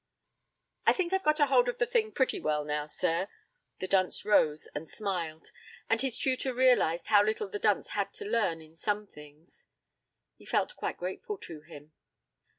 'I think I've got hold of the thing pretty well now, sir.' The dunce rose and smiled, and his tutor realized how little the dunce had to learn in some things. He felt quite grateful to him.